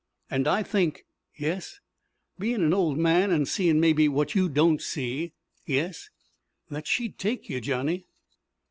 "And I think " "Yes " "Bein' an old man, an' seein' mebby what you don't see " "Yes " "That she'd take you, Johnny."